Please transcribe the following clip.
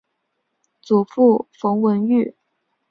祖父冯文玉。